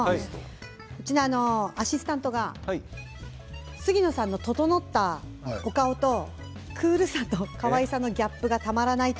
うちのアシスタントが杉野さんの整ったお顔とクールさとかわいさのギャップがたまらないと。